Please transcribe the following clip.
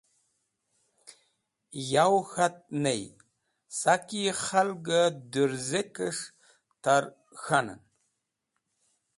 Yowe k̃hat, ney sak yi khalg-e dũrzakesh ta’r k̃hanen.